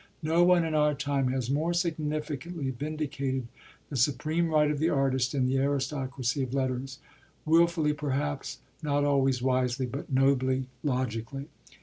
No one in our time has more significantly vindicated the supreme right of the artist in the aristocracy of letters; wilfully, perhaps, not always wisely, but nobly, logically.